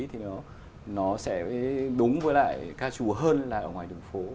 thì nó sẽ đúng với lại ca trùa hơn là ở ngoài đường phố